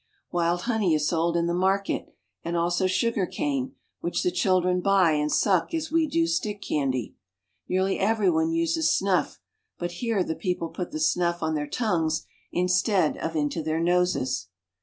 Wild honey is sold in the market, and also sugar cane, frhich the children buy and suck as we do stick candy. Nearly every one uses snuff, but here the people put the ttiuff on their tongues instead of into their noses.